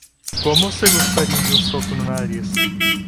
Como você gostaria de um soco no nariz?